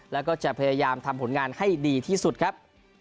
แล้วก็จะพยายามทำผลงานให้ดีที่สุดครับ